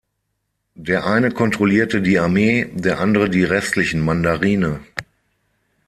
Der eine kontrollierte die Armee, der andere die restlichen Mandarine.